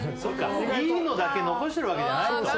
いいのだけ残してるわけじゃないと。